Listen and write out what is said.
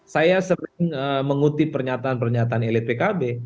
saya sering mengutip pernyataan pernyataan elit pkb